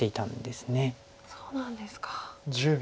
そうなんですか。